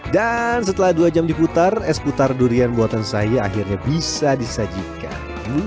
dan setelah dua jam diputar es putar durian buatan saya akhirnya bisa disajikan